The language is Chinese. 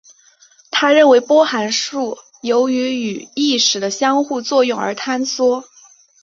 他认为波函数由于与意识的相互作用而坍缩。